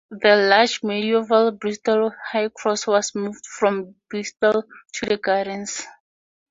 The large medieval Bristol High Cross was moved from Bristol to the gardens.